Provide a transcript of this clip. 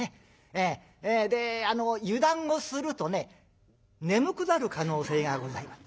で油断をするとね眠くなる可能性がございます。